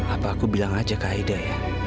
apa aku bilang aja ke aida ya